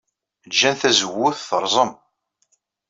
Jjan tazewwut terẓem.